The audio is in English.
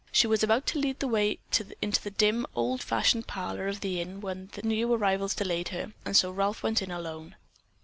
She was about to lead the way into the dim, old fashioned parlor of the Inn when new arrivals delayed her, and so Ralph went in alone.